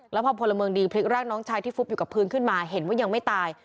แล้วพอพลเมืองดีพลิกร่างน้องชายที่ฟุบอยู่กับพื้นขึ้นมาเห็นว่ายังไม่ตาย